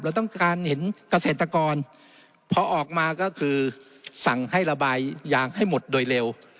เราต้องการเห็นเกษตรกรพอออกมาก็คือสั่งให้ระบายยางให้หมดโดยเร็ว